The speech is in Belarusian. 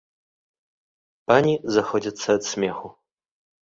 Пані заходзяцца ад смеху.